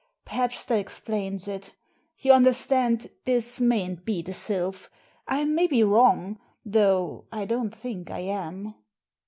Perhaps that explains it You understand, this mayn't be the Sylph. I may be wrong — though I don't think I am."